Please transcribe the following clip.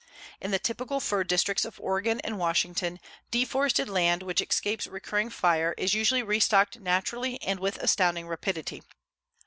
In the typical fir districts of Oregon and Washington deforested land which escapes recurring fire is usually restocked naturally and with astonishing rapidity.